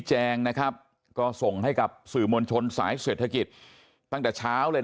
แจงนะครับก็ส่งให้กับสื่อมวลชนสายเศรษฐกิจตั้งแต่เช้าเลย